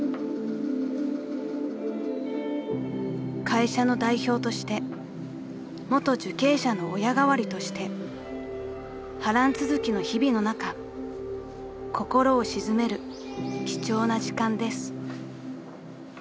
［会社の代表として元受刑者の親代わりとして波乱続きの日々の中心を静める貴重な時間です］